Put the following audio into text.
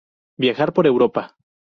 Viajar por Europa.